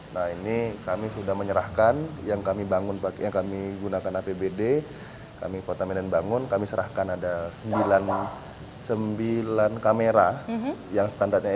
nah ini kami sudah menyerahkan yang kami bangun yang kami gunakan apbd kami kota medan bangun kami serahkan ada sembilan kamera yang standarnya